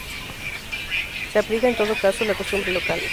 Se aplica, en todo caso, la costumbre local.